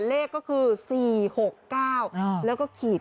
เลขก็คือ๔๖๙๙๓